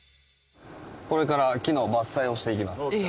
これから木の伐採をしていきます。